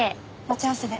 待ち合わせで。